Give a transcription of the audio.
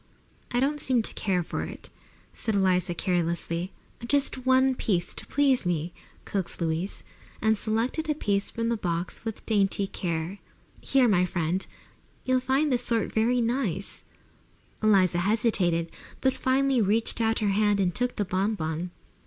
"I don't seem to care for it," said Eliza carelessly. "Just one piece, to please me," coaxed Louise, and selected a piece from the box with dainty care. "Here, my dear; you'll find this sort very nice." Eliza hesitated, but finally reached out her hand and took the bon bon.